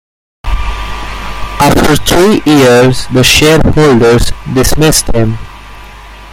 After three years the shareholders dismissed him.